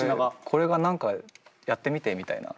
これが何かやってみてみたいな。